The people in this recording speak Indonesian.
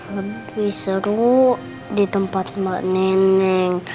lebih seru di tempat mbak neneng